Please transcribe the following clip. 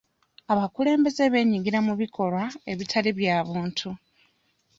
Abakulembeze beenyigira mu bikolwa ebitali bya buntu.